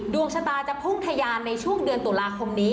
ดวงชะตาจะพุ่งทะยานในช่วงเดือนตุลาคมนี้